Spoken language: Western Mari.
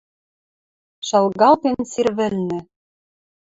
Шалгалтен сир вӹлнӹ —